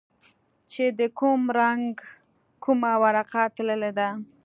چې د کوم رنگ کومه ورقه تللې ده.